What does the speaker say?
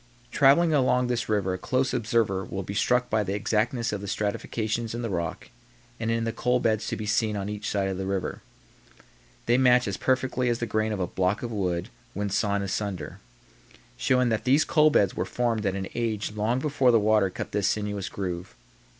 Traveling along this river a close observer will be struck by the exactness of the stratifications in the rock and in the coal beds to be seen on each side of the river. They match as perfectly as the grain of a block of wood when sawn asunder showing that these coal beds were formed at an age long before the water cut this sinuous groove.